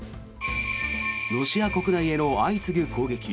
ロシア国内への相次ぐ攻撃。